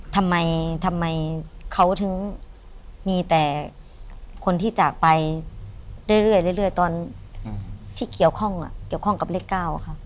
ทำไมเขาถึงมีแต่คนที่จากไปเรื่อยตอนที่เกี่ยวข้องเกี่ยวข้องกับเลข๙ค่ะ